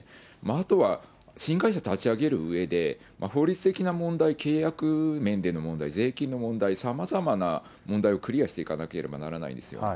あとは新会社立ち上げるうえで、法律的な問題、契約面での問題、税金の問題、さまざまな問題をクリアしていかなければならないんですよ。